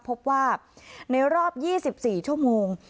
พบว่าในรอบ๒๔ชั่วโมง